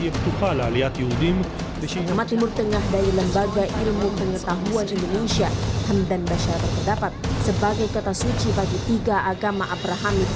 pernama timur tengah dari lembaga ilmu pengetahuan indonesia hamdan basel terpedapat sebagai kota suci bagi tiga agama abraham